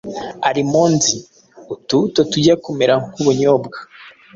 Almonds utubuto tujya kumera nk’ubunyobwa